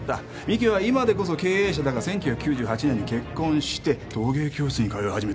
美樹は今でこそ経営者だが１９９８年に結婚して陶芸教室に通い始めたんだ。